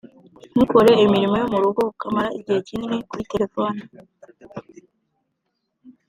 ntukore imirimo yo mu rugo ukamara igihe kinini kuri telefone.